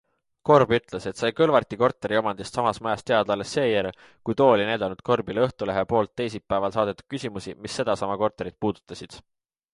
Korb ütles, et sai Kõlvarti korteriomandist samas majas teada alles seejärel, kui too oli näidanud Korbile Õhtulehe poolt teisipäeval saadetud küsimusi, mis sedasama korterit puudutasid.